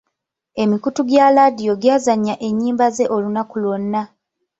Emikutu gya laadiyo gy'azannya ennyimba ze olunaku lwonna.